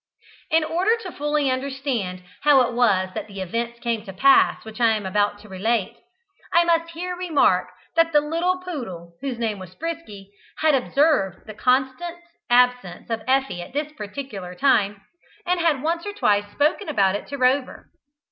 In order fully to understand how it was that the events came to pass which I am about to relate, I must here remark that the little poodle, whose name was Frisky, had observed the constant absence of Effie at this particular time, and had once or twice spoken about it to Rover.